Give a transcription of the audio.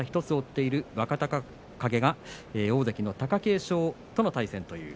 １つ追っている若隆景が大関の貴景勝との対戦。